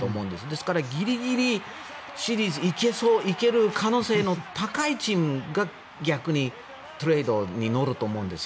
ですからギリギリシリーズ行けそう行ける可能性が高いチームが逆にトレードに乗ると思うんです。